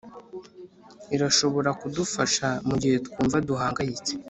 irashobora kudufasha mugihe twumva duhangayitse